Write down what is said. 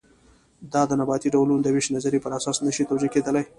دا د نباتي ډولونو د وېش نظریې پر اساس نه شي توجیه کېدلی.